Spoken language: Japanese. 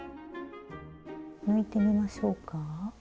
抜いてみましょうか。